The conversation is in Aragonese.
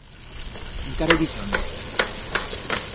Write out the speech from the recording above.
Encara ibi son.